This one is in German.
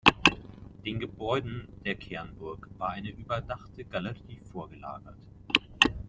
Den Gebäuden der Kernburg war eine überdachte Galerie vorgelagert.